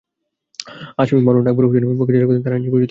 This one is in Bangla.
আসামি মাওলানা আকবর হোসেনের পক্ষে জেরা করেন তাঁর আইনজীবী মাহবুব হোসেন।